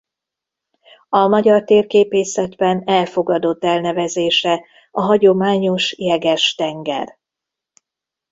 A magyar térképészetben elfogadott elnevezése a hagyományos Jeges-tenger.